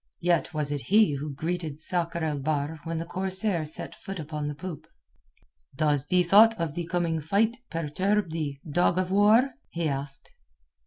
Yet was it he who greeted Sakr el Bahr when the corsair set foot upon the poop. "Does the thought of the coming fight perturb thee, dog of war?" he asked.